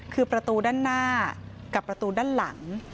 คือประตูด้านหน้ากับประตูด้านหลัง